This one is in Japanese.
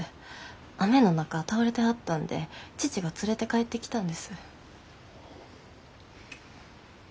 雨の中倒れてはったんで父が連れて帰ってきたんです。